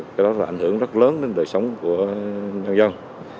cái đó là ảnh hưởng rất lớn đến đời sống của nhân dân